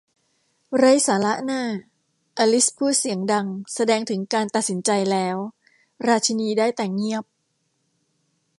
ไร้สาระน่า อลิซพูดเสียงดังแสดงถึงการตัดสินใจแล้ว ราชินีได้แต่เงียบ